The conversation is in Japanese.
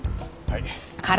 はい。